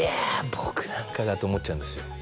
僕なんかがと思っちゃうんですよ